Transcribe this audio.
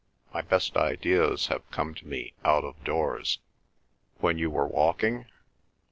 My best ideas have come to me out of doors." "When you were walking?"